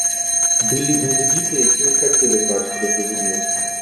Былі індывіды, якія не хацелі граць у гэтую гульню.